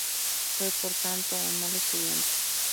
Fue, por tanto, un mal estudiante.